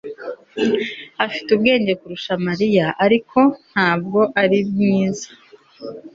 Afite ubwenge kurusha Mariya ariko ntabwo ari mwiza